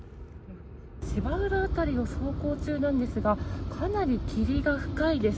芝浦辺りを走行中なんですがかなり霧が深いです。